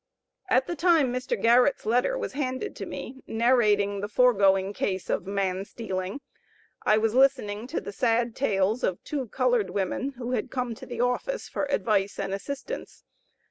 At the time Mr. Garrett's letter was handed to me, narrating the foregoing case of man stealing, I was listening to the sad tales of two colored women, who had come to the office for advice and assistance.